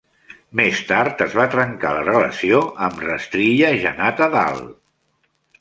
Més tard es va trencar la relació amb Rashtriya Janata Dal.